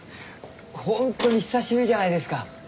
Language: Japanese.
本当に久しぶりじゃないですか。